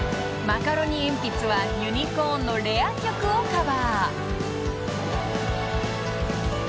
［マカロニえんぴつはユニコーンのレア曲をカバー］